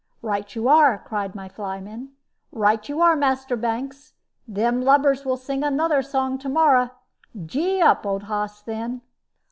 "Right you are," cried my flyman "right you are, Master Banks. Them lubbers will sing another song to morrow. Gee up, old hoss, then!"